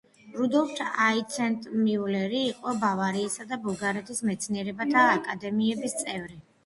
რუდოლფ აიცეტმიულერი იყო ბავარიისა და ბულგარეთის მეცნიერებათა აკადემიების წევრი.